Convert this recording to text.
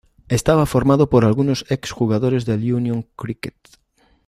Estaba formado por algunos exjugadores del Unión Cricket.